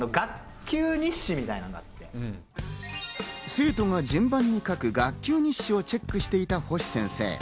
生徒が順番に書く学級日誌をチェックしていた星先生。